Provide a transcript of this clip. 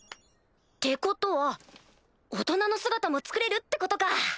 ってことは大人の姿も作れるってことか！